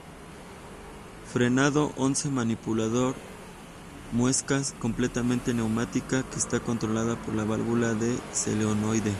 Frenado once manipulador muescas; completamente neumática, que está controlada por la válvula de solenoide.